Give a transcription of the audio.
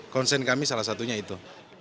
konsen kami salah satunya itu